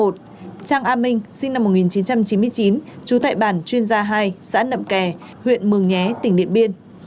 trang a minh sinh năm một nghìn chín trăm chín mươi chín trú tại bản chuyên gia hai xã nậm kè huyện mường nhé tỉnh điện biên